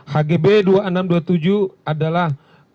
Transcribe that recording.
hgb dua ribu enam ratus dua puluh tujuh adalah